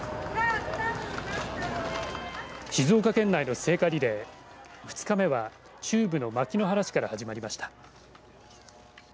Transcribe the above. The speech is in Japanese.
静岡県内の聖火リレー２日目は、中部の牧之原市から始まりました。